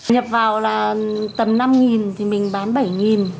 nhập vào là tầm năm thì mình bán bảy